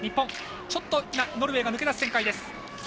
ちょっとノルウェーが抜け出す展開。